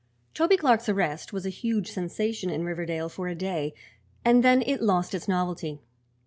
Toby Clark's arrest was a huge sensation in Riverdale for a day, and then it lost its novelty.